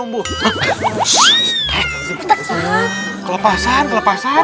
ssshhh kelepasan kelepasan